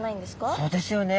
そうですよね。